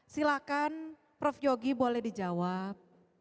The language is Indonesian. silakan prof yogi boleh dijawab